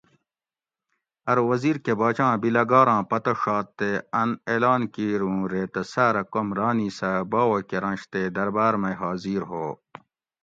ارو وزیر کہ باچاں بِلیگاراں پتہ ڛات تے ان اعلان کیر اوں ریتہ ساۤرہ کم رانی سہ باوہ کرنش تے درباۤر مئی حاضر ہو